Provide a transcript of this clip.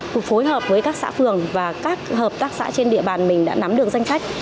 cục phối hợp với các xã phường và các hợp tác xã trên địa bàn mình đã nắm được danh sách